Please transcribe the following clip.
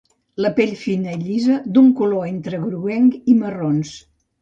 La pell fina i llisa, d'un color entre groguenc i marrons.